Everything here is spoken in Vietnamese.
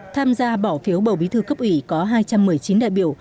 tham gia bỏ phiếu bầu bí thư cấp ủy có hai trăm một mươi chín đại biểu